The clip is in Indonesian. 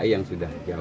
yang sudah jauh